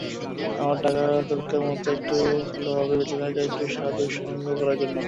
আমার টাকার দরকার মূলত একটু ভালোভাবে বেঁচে থাকা, একটু সাধুসঙ্গ করার জন্য।